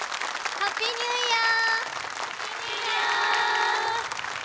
ハッピーニューイヤー。